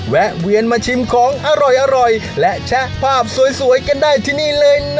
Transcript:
แวะเวียนมาชิมของอร่อยและแชะภาพสวยกันได้ที่นี่เลยนะ